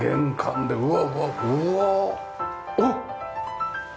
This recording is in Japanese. おっ。